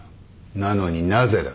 なのになぜだ。